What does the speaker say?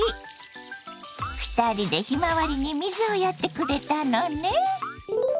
２人でひまわりに水をやってくれたのね。